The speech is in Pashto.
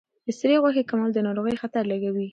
د سرې غوښې کمول د ناروغۍ خطر لږوي.